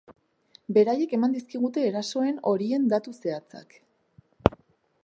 Beraiek eman dizkigute erasoen horien datu zehatzak.